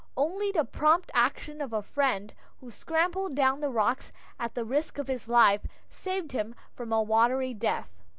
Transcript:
Only the prompt action of a friend who scrambled down the rocks at the risk of his life saved him from a watery grave.